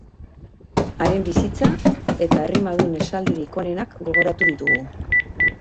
Haren bizitza eta errimadun esaldirik onenak gogoratu ditugu.